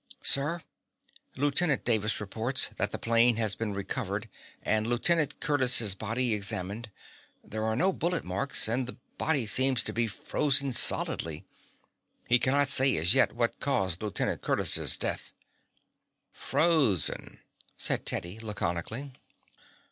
"Sir, Lieutenant Davis reports that the plane has been recovered and Lieutenant Curtiss' body examined. There are no bullet marks, and the body seemed to be frozen solidly. He cannot say, as yet, what caused Lieutenant Curtiss' death." "Frozen," said Teddy laconically.